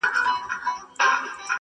o چي سر دي درد نه کوي، داغ مه پر ايږده٫